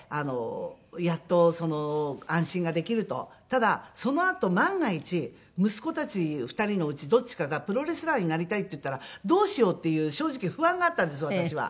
ただそのあと万が一息子たち２人のうちどっちかがプロレスラーになりたいって言ったらどうしようっていう正直不安があったんです私は。